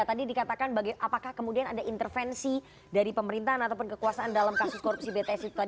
tadi dikatakan apakah kemudian ada intervensi dari pemerintahan ataupun kekuasaan dalam kasus korupsi bpsu